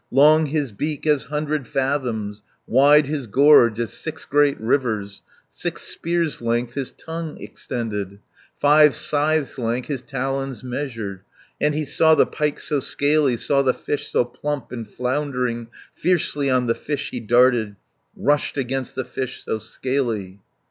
Long his beak as hundred fathoms, Wide his gorge as six great rivers, Six spears' length his tongue extended, Five scythes' length his talons measured 240 And he saw the pike so scaly, Saw the fish so plump and floundering. Fiercely on the fish he darted, Rushed against the fish so scaly.